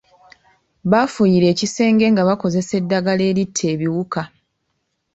Baafuuyira ekisenge nga bakozesa eddagala eritta ebiwuka.